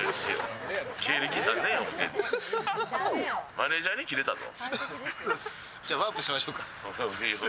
マネージャーにキレたぞ。